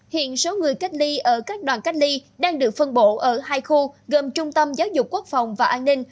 hiện số người cách ly ở các đoàn cách ly đang được phân bộ ở hai khu gồm trung tâm giáo dục quốc phòng và an ninh